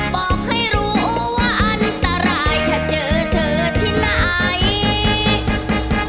บอกให้รู้ว่าอันตรายถ้าเจอเธอที่ไหน